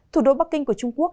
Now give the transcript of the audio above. thủ đô bắc kinh của trung quốc